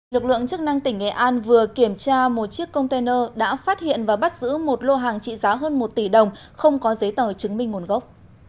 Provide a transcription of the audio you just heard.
lực lượng chức năng tỉnh nghệ an vừa kiểm tra một chiếc container đã phát hiện và bắt giữ một lô hàng trị giá hơn một tỷ đồng không có giấy tờ chứng minh nguồn gốc